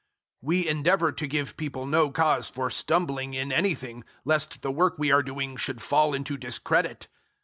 006:003 We endeavour to give people no cause for stumbling in anything, lest the work we are doing should fall into discredit.